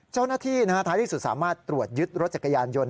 เจ้าหน้าที่ท้ายที่สุดสามารถตรวจยึดรถจักรยานยนต์